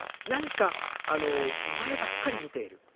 何か前ばっかり見ている。